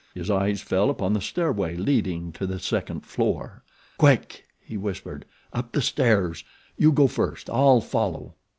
His eyes fell upon the stairway leading to the second floor. "Quick!" he whispered. "Up the stairs! You go first; I'll follow."